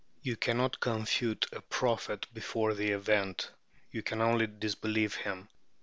You cannot confute a prophet before the event; you can only disbelieve him.